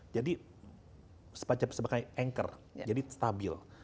jadi sebagai anchor jadi stabil